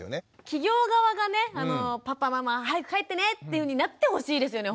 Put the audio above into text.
企業側がねパパママ早く帰ってねというふうになってほしいですよね